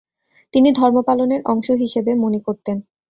তিনি ধর্ম পালনের অংশ হিসেবে মনে করতেন।